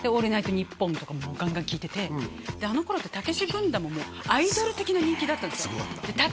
ニッポンとかもガンガン聞いててであの頃ってたけし軍団もアイドル的な人気だったんですよ